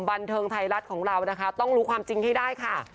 บันเทิงไทยรัฐของเรานะคะต้องรู้ความจริงให้ได้ค่ะ